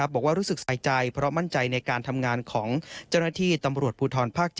บอกว่ารู้สึกใส่ใจเพราะมั่นใจในการทำงานของเจ้าหน้าที่ตำรวจภูทรภาค๗